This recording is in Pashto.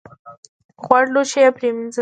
غوړ لوښي یې پرېمینځل .